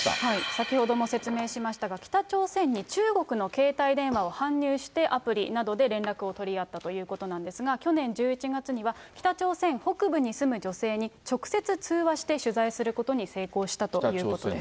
先ほども説明しましたが、北朝鮮に中国の携帯電話を搬入して、アプリなどで連絡を取り合ったということなんですが、去年１１月には、北朝鮮北部に住む女性に、直接通話して取材することに成功したということです。